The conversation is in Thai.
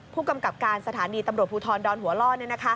ผู้กำกับการสถานีตำรวจภูทรดอนหัวล่อ